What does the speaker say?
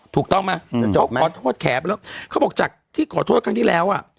ถูกต้องไหมเขาขอโทษแขไปแล้วเขาบอกจากที่ขอโทษครั้งที่แล้วอ่ะ